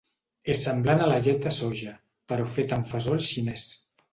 És semblant a la llet de soia, però fet amb fesol xinès.